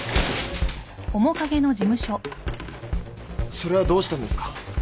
それはどうしたんですか？